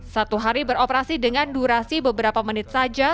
satu hari beroperasi dengan durasi beberapa menit saja